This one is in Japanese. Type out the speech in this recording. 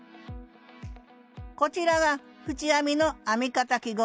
こちらが縁編みの編み方記号図。